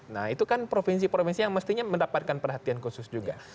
nah itu kan provinsi provinsi yang mestinya mendapatkan perhatian khusus juga